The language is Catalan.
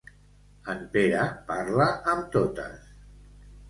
En Pere parla amb totes.